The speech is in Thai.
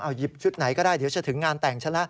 หยิบชุดไหนก็ได้เดี๋ยวจะถึงงานแต่งฉันละ